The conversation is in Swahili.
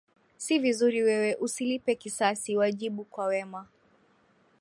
Si vizuri wewe, usilipe kisasi, wajibu kwa wema.